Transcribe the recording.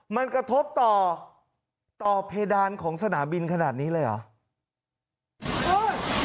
มันกระทบต่อต่อเพดานของสนามบินขนาดนี้เลยเหรอ